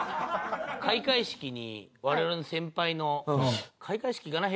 開会式に我々の先輩の開会式かな？